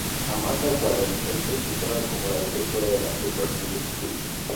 Amanda Waller es presentada como la directora de la Super Hero High.